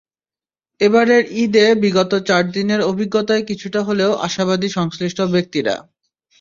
এবারের ঈদে বিগত চার দিনের অভিজ্ঞতায় কিছুটা হলেও আশাবাদী সংশ্লিষ্ট ব্যক্তিরা।